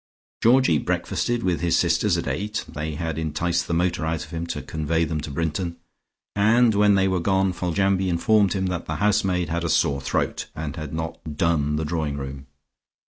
Georgie breakfasted with his sisters at eight (they had enticed the motor out of him to convey them to Brinton) and when they were gone, Foljambe informed him that the housemaid had a sore throat, and had not "done" the drawing room.